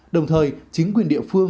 đồng thời chính quyền thủy văn trung ương